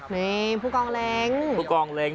นี่ผู้กล้องเล็ก